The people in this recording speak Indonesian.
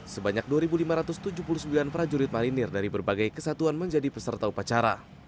sebanyak dua lima ratus tujuh puluh sembilan prajurit marinir dari berbagai kesatuan menjadi peserta upacara